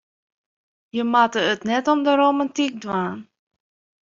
Je moatte it net om de romantyk dwaan.